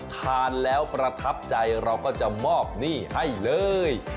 ทานแล้วประทับใจเราก็จะมอบหนี้ให้เลย